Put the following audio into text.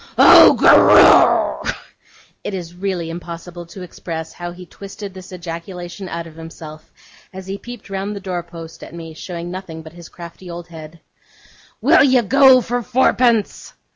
'Oh, go roo!' (it is really impossible to express how he twisted this ejaculation out of himself, as he peeped round the door post at me, showing nothing but his crafty old head); 'will you go for fourpence?